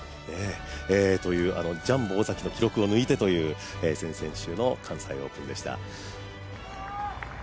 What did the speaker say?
ジャンボ尾崎の記録を抜いてという先々週の関西オープンでした。